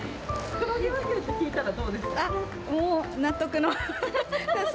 黒毛和牛って聞いたら、もう納得の。